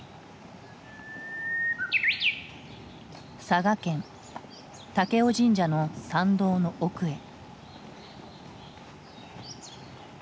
佐賀県武雄神社の参道の奥へ。